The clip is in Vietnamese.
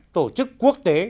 tổ chức quốc tế